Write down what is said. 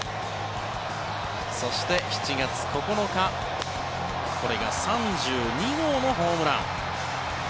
そして、７月９日これが３２号のホームラン。